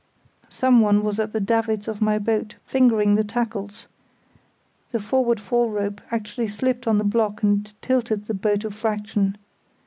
Someone was at the davits of my boat fingering the tackles; the forward fall rope actually slipped in the block and tilted the boat a fraction.